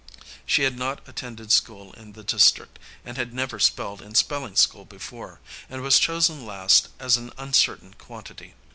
She had not attended school in the district, and had never spelled in spelling school before, and was chosen last as an uncertain quantity.